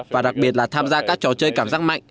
và đặc biệt là tham gia các trò chơi cảm giác mạnh